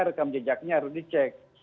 rekam jejaknya harus dicek